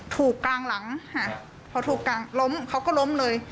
กลางหลังค่ะพอถูกกลางล้มเขาก็ล้มเลย